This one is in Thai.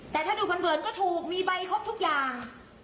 แต่ถ้าดูเผินก็ถูกมีใบครบทุกอย่าง